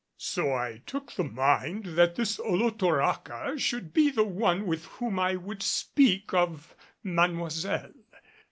So I took a mind that this Olotoraca should be the one with whom I would speak of Mademoiselle.